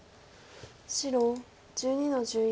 白１２の十一。